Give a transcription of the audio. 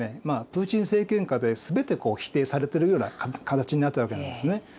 プーチン政権下で全て否定されてるような形になったわけなんですね。